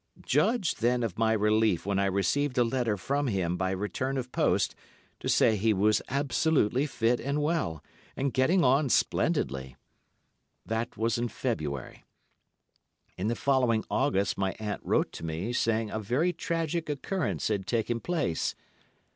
"Judge, then, of my relief when I received a letter from him by return of post to say he was absolutely fit and well, and getting on splendidly. That was in February. In the following August my aunt wrote to me saying a very tragic occurrence had taken place.